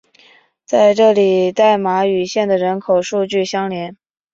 在这里代码与县的人口数据相连。